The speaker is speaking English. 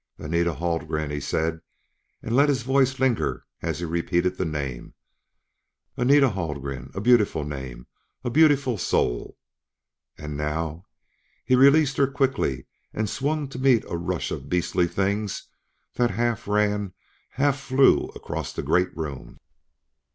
"Anita Haldgren," he said, and let his voice linger as he repeated the name, "Anita Haldgren a beautiful name a beautiful soul! And now " He released her quickly and swung to meet a rush of beastly things that half ran, half flew across the great room.